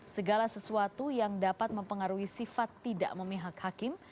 segala sesuatu yang dapat mempengaruhi sifat tidak memihak hakim